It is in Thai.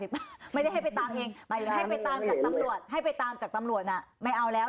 ไม่ไม่ได้ให้ไปตามเองให้ไปตามจากตำรวจไม่เอาแล้ว